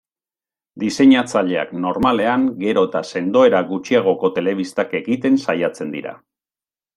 Diseinatzaileak, normalean, gero eta sendoera gutxiagoko telebistak egiten saiatzen dira.